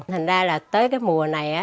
thành ra là tới mùa này